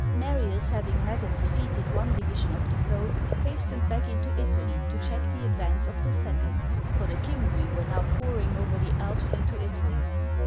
Marius having met and defeated one division of the foe, hastened back into Italy to check the advance of the second, for the Cimbri were now pouring over the Alps into Italy.